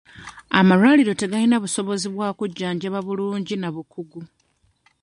Amalwaliro tegalina busobozi bwa kujjanjaba bulungi na bukugu.